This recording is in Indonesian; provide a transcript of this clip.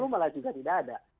dua puluh malah juga tidak ada